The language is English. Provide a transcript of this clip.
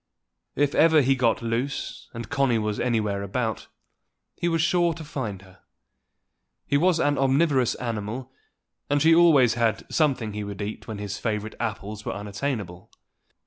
If ever he got loose, and Connie was anywhere about, he was sure to find her: he was an omnivorous animal, and she had always something he would eat when his favorite apples were unattainable.